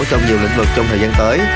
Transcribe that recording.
trong nhiều lĩnh vực trong thời gian tới